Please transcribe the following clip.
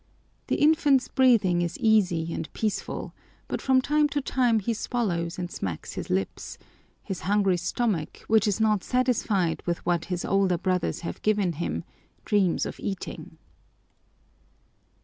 The infant's breathing is easy and peaceful, but from time to time he swallows and smacks his lips; his hungry stomach, which is not satisfied with what his older brothers have given him, dreams of eating.